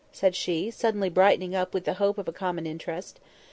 said she, suddenly brightening up with the hope of a common interest.